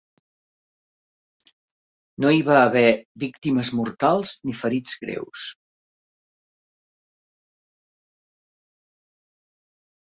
No hi va haver víctimes mortals ni ferits greus.